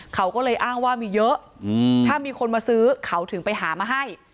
เขาก็เลยอ้างว่ามีเยอะถ้ามีคนมาซื้อเขาถึงไปหามาให้